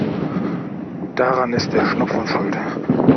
Daran ist der Schnupfen schuld.